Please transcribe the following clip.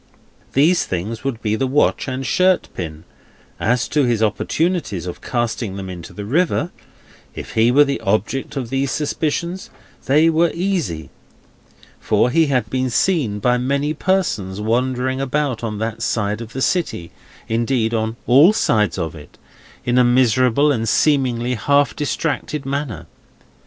Those things would be the watch and shirt pin. As to his opportunities of casting them into the river; if he were the object of these suspicions, they were easy. For, he had been seen by many persons, wandering about on that side of the city—indeed on all sides of it—in a miserable and seemingly half distracted manner.